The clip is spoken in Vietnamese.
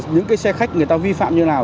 những cái xe khách người ta vi phạm như nào